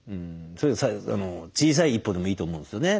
小さい一歩でもいいと思うんですよね。